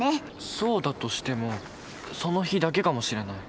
そうだとしてもその日だけかもしれない。